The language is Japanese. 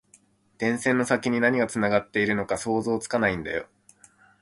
電線の先に何がつながっているのか想像つかないんだよ